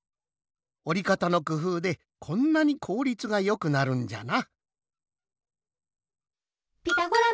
おりかたのくふうでこんなにこうりつがよくなるんじゃな。